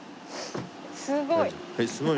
すごい。